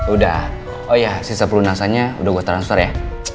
udah oh ya sisa pelunasannya udah gue transfer ya